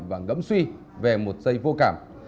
và ngấm suy về một dây vô cảm